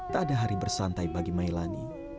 tak ada hari bersantai bagi mailani